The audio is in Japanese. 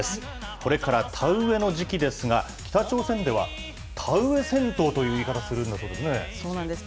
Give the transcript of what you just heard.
これから田植えの時期ですが、北朝鮮では田植え戦闘という言い方するんだそうですね。